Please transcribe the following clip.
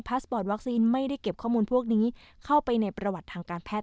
สปอร์ตวัคซีนไม่ได้เก็บข้อมูลพวกนี้เข้าไปในประวัติทางการแพทย